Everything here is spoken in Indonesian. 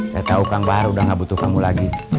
saya tahu kang bahar udah gak butuh kamu lagi